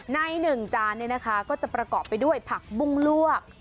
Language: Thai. ในหนึ่งจานก็จะประกอบไปด้วยผักบุ้งลวก